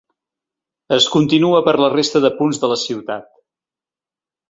Es continua per la resta de punts de la ciutat.